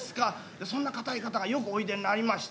そんな堅い方がよくおいでになりました。